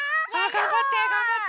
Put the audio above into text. がんばってがんばって！